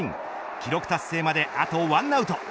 記録達成まであと１アウト。